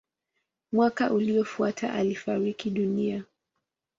Mwaka uliofuata alifariki dunia.